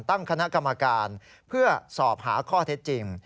ตั้งคณะกรรมการเพื่อสอบหาข้อเท็จจริง